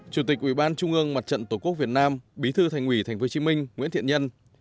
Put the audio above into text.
chủ tịch ủy ban trung ương mặt trận tổ quốc việt nam bí thư thành ủy thành phố hồ chí minh nguyễn thiện nhân